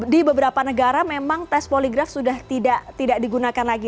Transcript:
di beberapa negara memang tes poligraf sudah tidak digunakan lagi